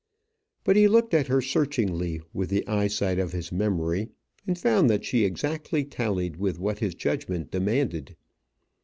But he looked at her searchingly with the eyesight of his memory, and found that she exactly tallied with what his judgment demanded.